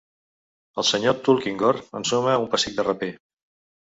El Sr. Tulkinghorn ensuma un pessic de rapè.